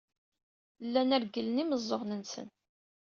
Llan regglen imeẓẓuɣen-nsen.